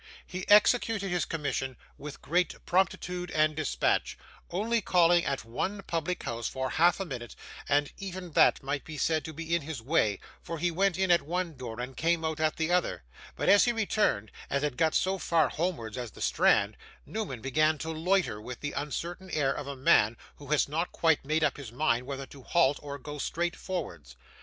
He executed his commission with great promptitude and dispatch, only calling at one public house for half a minute, and even that might be said to be in his way, for he went in at one door and came out at the other; but as he returned and had got so far homewards as the Strand, Newman began to loiter with the uncertain air of a man who has not quite made up his mind whether to halt or go straight forwards.